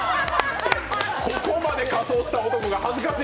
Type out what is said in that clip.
ここまで仮装した男が恥ずかしい！